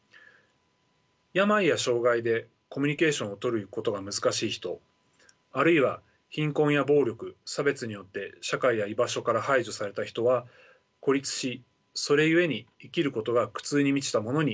病や障害でコミュニケーションをとることが難しい人あるいは貧困や暴力差別によって社会や居場所から排除された人は孤立しそれゆえに生きることが苦痛に満ちたものになります。